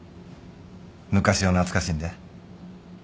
昔を懐かしんで。